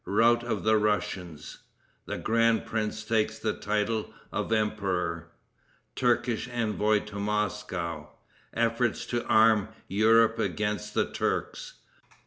Rout of the Russians. The Grand Prince Takes the Title of Emperor. Turkish Envoy To Moscow. Efforts To Arm Europe Against the Turks.